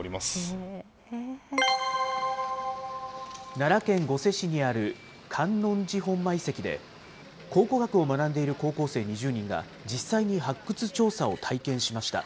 奈良県御所市にある観音寺本馬遺跡で、考古学を学んでいる高校生２０人が実際に発掘調査を体験しました。